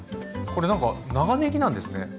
これ何か長ねぎなんですね。